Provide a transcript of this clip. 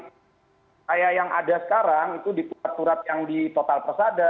seperti yang ada sekarang itu di tuas turap yang di total persada